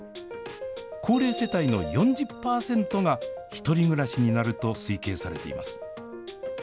高齢世帯の４０％が、１人暮らしになると推計されています。